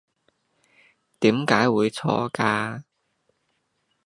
點解會錯㗎？